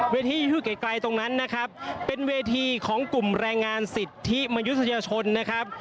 ที่อยู่ไกลตรงนั้นนะครับเป็นเวทีของกลุ่มแรงงานสิทธิมนุษยชนนะครับ